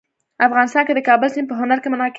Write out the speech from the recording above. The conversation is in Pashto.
افغانستان کې د کابل سیند په هنر کې منعکس کېږي.